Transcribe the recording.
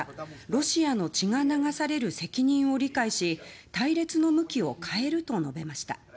ロシアの血が流される責任を理解し隊列の向きを変えると述べました。